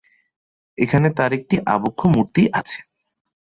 এখানে তার একটি আবক্ষ মূর্তি আছে।